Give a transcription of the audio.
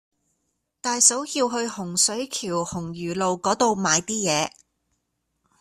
大嫂要去洪水橋洪儒路嗰度買啲嘢